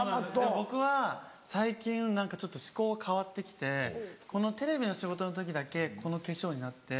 僕は最近何かちょっと思考が変わって来てこのテレビの仕事の時だけこの化粧になって。